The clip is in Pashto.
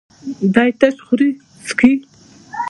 دی تش خوري څښي.